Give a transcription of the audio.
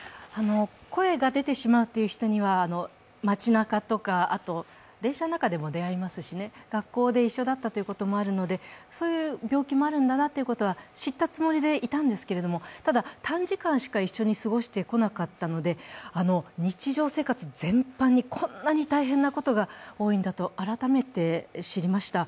声が出てしまうという人には街なかとか電車の中でも出会いますし学校で一緒だったということもあるので、そういう病気もあるんだなということも知ったつもりでいたんですがただ短時間しか一緒に過ごしてこなかったので日常生活全般にこんなに大変なことが多いんだと改めて知りました。